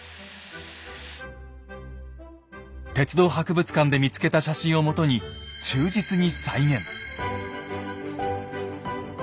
鉄道博物館で見つけた写真をもとに忠実に再現。